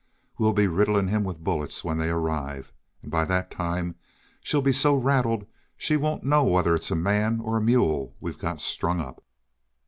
We'll be 'riddling him with bullets' when they arrive and by that time she'll be so rattled she won't know whether it's a man or a mule we've got strung up."